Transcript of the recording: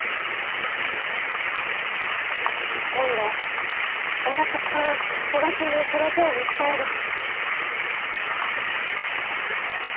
今度は私から久我さんにプロポーズしたいです！